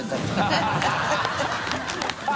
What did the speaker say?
ハハハ